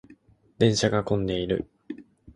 電車が混んでいる。